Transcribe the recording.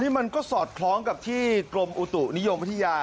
มันก็สอดคล้องกับที่กรมอุตุนิยมวิทยา